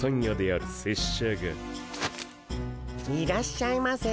あっいらっしゃいませ。